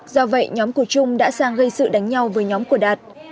do vậy nhóm của trung đã sang gây sự đánh nhau với nhóm của đạt